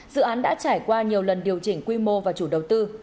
dự án đã trải qua nhiều lần điều chỉnh quy mô và chủ đầu tư